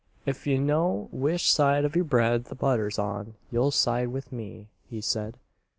"Ef you know which side of your bread the butter's on, you'll side with me," he said.